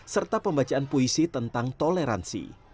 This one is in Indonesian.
serta pembacaan puisi tentang toleransi